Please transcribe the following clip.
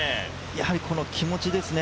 やはり気持ちですね。